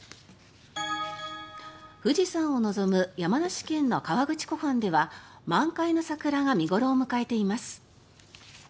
富士山を望む山梨県の河口湖畔では満開の桜が見頃を迎えています。